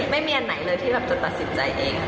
ไม่มีอันไหนที่เราจะตัดสิทธิ์ใจเอง